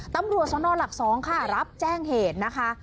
ตำรวจสนหลัก๒ค่ะรับแจ้งเหตุนะคะ